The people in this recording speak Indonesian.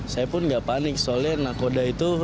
saya pun nggak panik soalnya nakoda itu